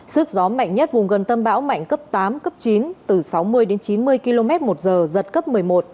sức gió mạnh nhất vùng gần tâm bão mạnh cấp tám cấp chín từ sáu mươi đến chín mươi km một giờ giật cấp một mươi một